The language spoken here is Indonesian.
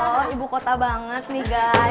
oh ya allah ibu kota banget nih guys